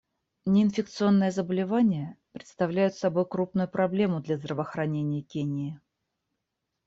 Неинфекционные заболевания представляют собой крупную проблему для здравоохранения Кении.